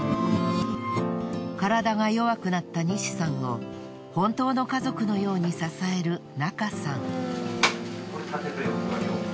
体が弱くなった西さんを本当の家族のように支える中さん。